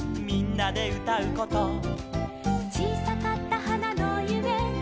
「みんなでうたうこと」「ちいさかったはなのゆめ」